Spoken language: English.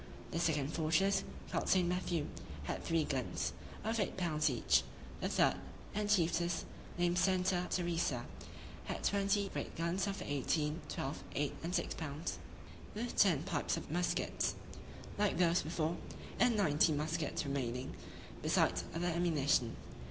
The second fortress, called St. Matthew, had three guns, of eight pounds each. The third, and chiefest, named Santa Teresa, had twenty great guns, of eighteen, twelve, eight, and six pounds; with ten pipes of muskets, like those before, and ninety muskets remaining, besides other ammunition.